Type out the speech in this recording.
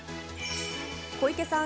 小池さん